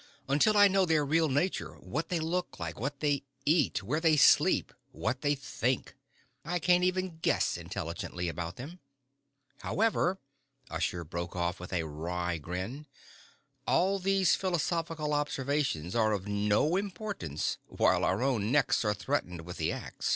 Until I do know their real nature, what they look like, what they eat, where they sleep, what they think, I can't even guess intelligently about them. However," Usher broke off with a wry grin, "all these philosophical observations are of no importance while our own necks are threatened with the ax."